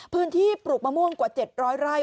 พื้นที่ปลูกมะม่วงกว่า๗๐๐ไร่